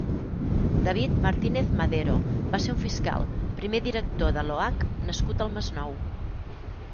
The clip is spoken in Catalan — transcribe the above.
David Martínez Madero va ser un fiscal, primer director de l'OAC nascut al Masnou.